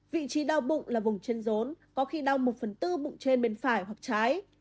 vị trí đau bụng là vùng trên rốn có khi đau một phần tư bụng trên bên phải hoặc trái